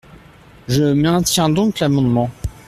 Je maintiens donc l’amendement.